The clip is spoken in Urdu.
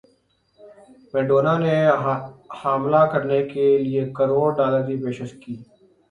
میڈونا نے حاملہ کرنے کیلئے کروڑ ڈالر کی پیشکش کی